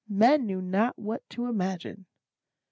Men knew not what to imagine.